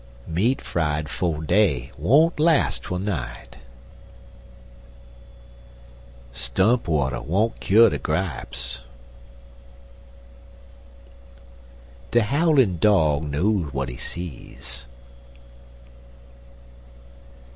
Meat fried 'fo' day won't las' twel night. Stump water won't kyo' de gripes. De howlin' dog know w'at he sees.